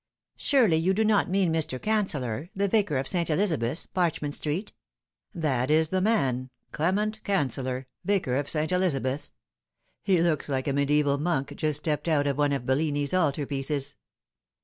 " Surely you do not mean Mr. Canceller, the Vicar of St. Elizabeth's, Parchment Street ?"" That is the man Clement Canceller, Vicar of St. Eliza beth's. He looks like a mediaeval monk just stepped out of one of Bellini's altar pieces."